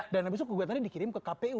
dan abis itu gugatannya dikirim ke kpu